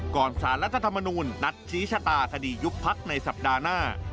สารรัฐธรรมนูญนัดชี้ชะตาคดียุบพักในสัปดาห์หน้า